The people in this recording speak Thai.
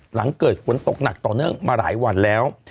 หลังเกิดฝนตกหนักต่อเนื่องมาหลายวันแล้ว